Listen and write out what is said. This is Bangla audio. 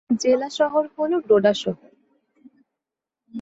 জেলা সদর হল ডোডা শহর।